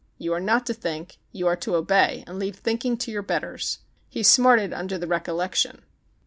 You are not to think; you are to obey and leave thinking to your betters." He smarted under the recollection.